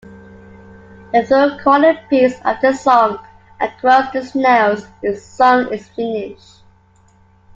The third quarter piece of the song, "Across the Snows" is sung in Finnish.